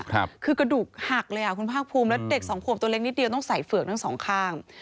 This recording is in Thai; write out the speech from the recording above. คือกระดูกหักเลยอ่ะคุณภาคภูมิแล้วเด็กสองขวบตัวเล็กนิดเดียวต้องใส่เฝือกทั้งสองข้าง